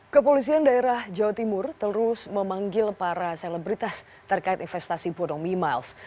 kepolisian daerah jawa timur terus memanggil para selebritas terkait investasi bodong mimiles